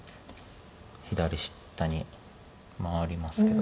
左下に回りますけど。